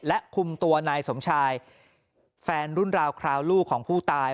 และคุมตัวนายสมชายแฟนรุ่นราวคราวลูกของผู้ตาย